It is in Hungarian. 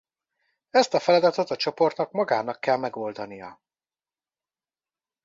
Ezt a feladatot a csoportnak magának kell megoldania.